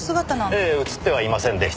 ええ映ってはいませんでした。